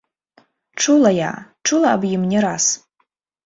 Чула я, чула аб ім не раз.